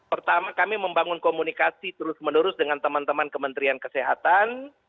pertama kami membangun komunikasi terus menerus dengan teman teman kementerian kesehatan